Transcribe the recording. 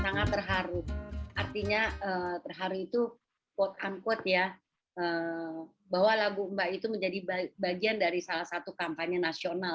sangat terharu artinya terharu itu quote unquote ya bahwa lagu mbak itu menjadi bagian dari salah satu kampanye nasional